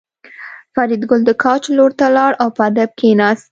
فریدګل د کوچ لور ته لاړ او په ادب کېناست